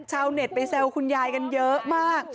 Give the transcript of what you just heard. ชาวเน็ตไปแซวคุณยายกันเยอะมาก